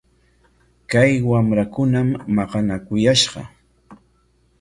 Kay wamrakunam maqanakuyashqa.